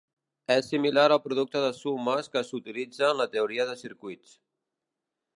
És similar al producte de sumes que s'utilitza en la teoria de circuits.